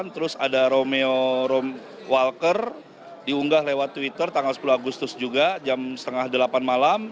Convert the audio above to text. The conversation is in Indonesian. terus ada romeom walker diunggah lewat twitter tanggal sepuluh agustus juga jam setengah delapan malam